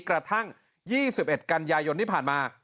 กระทั่ง๒๑กันยายนที่ผ่านมา